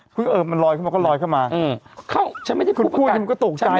คุณก็เออมันลอยเข้ามาก็ลอยเข้ามาคุณพูดมันก็ตกใจ